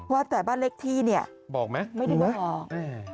ว่าแต่บ้านเล็กที่เนี่ยไม่ได้บอกออก